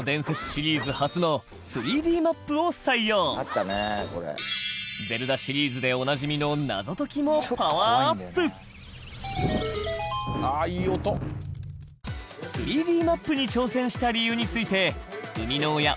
シリーズ初の３Ｄマップを採用『ゼルダ』シリーズでおなじみの謎解きもパワーアップ３Ｄマップに挑戦した理由について生みの親